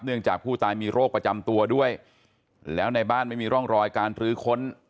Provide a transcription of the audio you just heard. เนื่องจากผู้ตายมีโรคประจำตัวด้วยแล้วในบ้านไม่มีล่องรอยหรือการทื้น